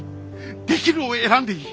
「できる」を選んでいい。